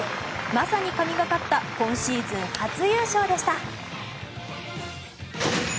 まさに神がかった今シーズン初優勝でした。